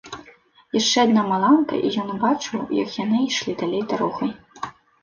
Яшчэ адна маланка, і ён убачыў, як яны ішлі далей дарогай.